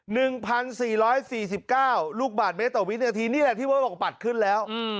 หนึ่งพันสี่ร้อยสี่สิบเก้าลูกบาทเมตรต่อวินาทีนี่แหละที่เบิร์ตบอกปัดขึ้นแล้วอืม